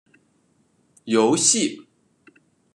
游戏